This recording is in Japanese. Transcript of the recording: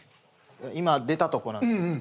今出たとこなんですけど。